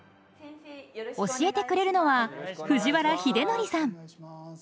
教えてくれるのは藤原英則さん。